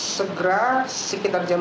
segera sekitar jam sebelas juga